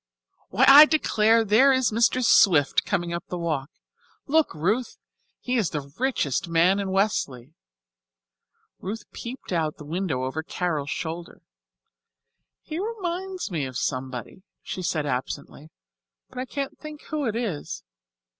Why, I declare, there is Mr. Swift coming up the walk. Look, Ruth! He is the richest man in Westleigh." Ruth peeped out of the window over Carol's shoulder. "He reminds me of somebody," she said absently, "but I can't think who it is.